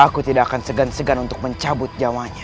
aku tidak akan segan segan untuk mencabut jawanya